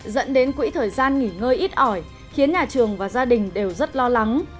dẫn đến quỹ thời gian nghỉ ngơi ít ỏi khiến nhà trường và gia đình đều rất lo lắng